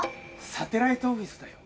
サテライトオフィスだよ。